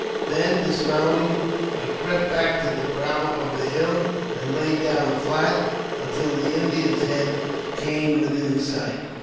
Then, dis mounting, I crept back to the brow of the hill, and lay down flat until the Indian's head came within sight.